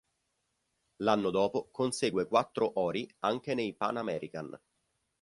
L'anno dopo consegue quattro ori anche nei Pan American.